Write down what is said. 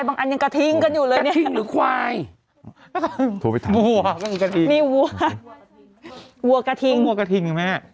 บางอันยังกระทิงกันอยู่เลยเนี่ยกระทิงหรือควายโทรไปถามวัวกระทิงมีวัวกระทิง